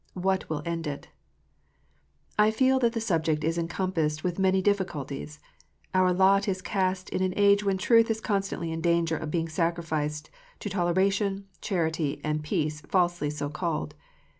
WHAT WILL END IT ? I feel that the subject is encompassed with many difficulties. Our lot is cast in an age when truth is constantly in danger of being sacrificed to toleration, charity, and peace falsely so called.